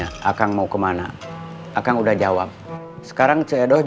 saya selalubeanmanggbingban soldier